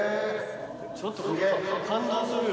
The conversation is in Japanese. ちょっと感動するよ。